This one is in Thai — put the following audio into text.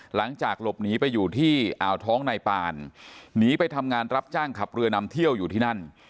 หลังจากหลบหนีไปอยู่ที่อ่าวท้องนายปานหนีไปทำงานรับจ้างขับเรือนำเที่ยวอยู่ที่นั่น